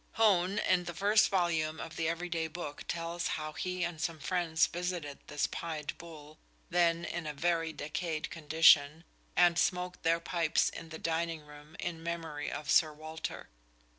Hone, in the first volume of the "Every Day Book" tells how he and some friends visited this Pied Bull, then in a very decayed condition, and smoked their pipes in the dining room in memory of Sir Walter.